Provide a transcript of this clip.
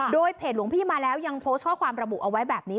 โดยเพจหลวงพี่มาแล้วยังโพสต์ข้อความระบุเอาไว้แบบนี้